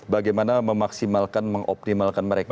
bagaimana memaksimalkan mengoptimalkan mereka